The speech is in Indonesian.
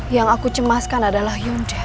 yang aku cemaskan adalah hyunce